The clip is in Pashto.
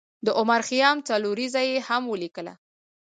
د عمر خیام څلوریځه یې هم ولیکله.